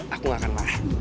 aku gak akan marah